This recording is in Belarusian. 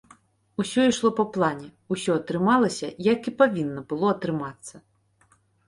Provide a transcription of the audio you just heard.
Усё ішло па плане, усё атрымалася, як і павінна было атрымацца.